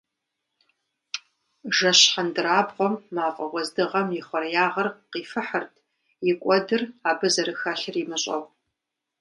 Жэщ хьэндырабгъуэм мафӏэ уэздыгъэм и хъуреягъыр къифыхырт, и кӏуэдыр абы зэрыхэлъыр имыщӏэу.